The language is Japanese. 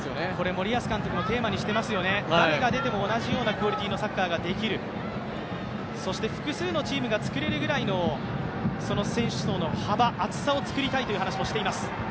森保監督もテーマにしていますよね、誰が出ても同じようなクオリティーのサッカーができるそして複数のチームが作れるぐらいの選手層の幅、厚さを作りたいという話をしています。